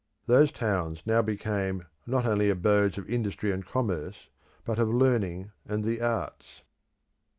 Those towns now became not only abodes of industry and commerce, but of learning and the arts.